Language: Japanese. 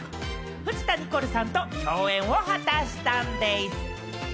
藤田ニコルさんと共演を果たしたんでぃす。